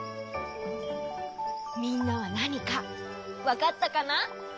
みんなはなにかわかったかな？